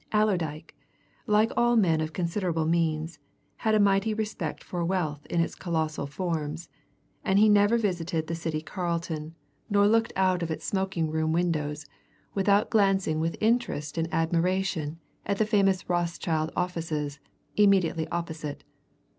Allerdyke, like all men of considerable means, had a mighty respect for wealth in its colossal forms, and he never visited the City Carlton, nor looked out of its smoking room windows, without glancing with interest and admiration at the famous Rothschild offices, immediately opposite.